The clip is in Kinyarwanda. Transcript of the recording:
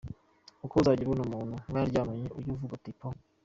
Uko uzajya ubona umuntu mwaryamanye, ujye uvuga uti “po !”.